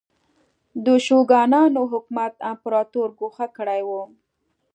د شوګانانو حکومت امپراتور ګوښه کړی و.